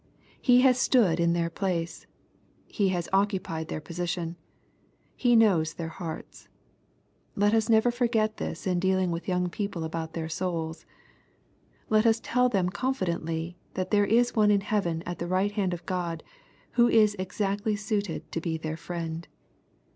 He has stood in their place. He has occupied their position. He knows their hearts. Let us never forget this in dealing with young people about their souls. Let us tell them con fidently, that there is One in heaven at the right hand of God, who is exactly suited to be their Fiiend.